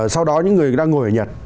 sau đó những người đang ngồi ở nhật